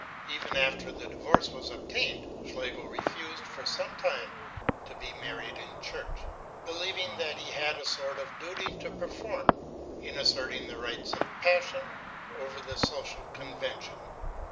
Even after the divorce was obtained Schlegel refused for some time to be married in church, believing that he had a sort of duty to perform in asserting the rights of passion over against social convention.